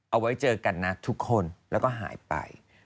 เอาไว้เจอกันนะทุกคนแล้วก็หายไป